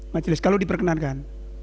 majelis kalau diperkenankan